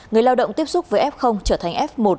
người lao động tiếp xúc với f trở thành f một